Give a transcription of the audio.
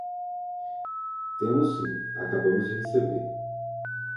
Temos sim, acabamos de receber.